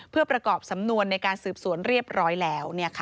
เพื่อประกอบสำนวนในการสืบสวนเรียบร้อยแล้ว